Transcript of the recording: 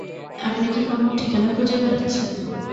আপনি কি কোনো ঠিকানা খুঁজে বেড়াচ্ছেন?